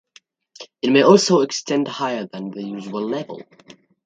It may also extend higher than the usual level.